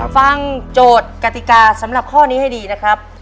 โจทย์กติกาสำหรับข้อนี้ให้ดีนะครับ